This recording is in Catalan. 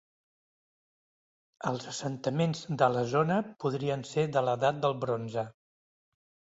Els assentaments de la zona podrien ser de l'edat del bronze.